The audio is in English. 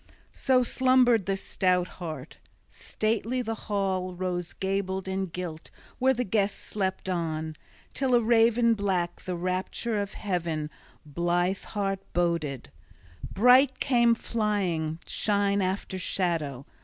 So slumbered the stout heart. Stately the hall rose gabled and gilt where the guest slept on till a raven black the rapture of heaven {25b} blithe heart boded. Bright came flying shine after shadow.